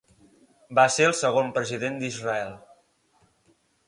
Va ser el segon President d'Israel.